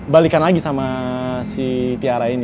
balikan lagi sama si tiara ini